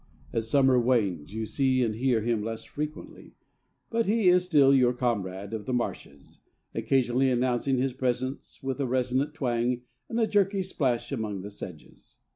As summer wanes you see and hear him less frequently, but he is still your comrade of the marshes, occasionally announcing his presence with a resonant twang and a jerky splash among the sedges.